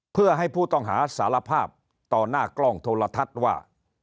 เพื่อให้ผู้ต้องหาสารภาพต่อหน้ากล้องโทรทัศน์ว่า